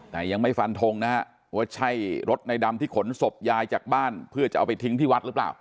แต่ยังไม่ฟันทงนะฮะว่าใช่รถในดำที่ขนศพยายจากบ้านเพื่อจะเอาไปทิ้งที่วัดหรือเปล่า